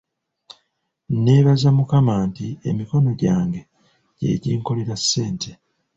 Nneebaza Mukama nti emikono gyange gye ginkolera ssente.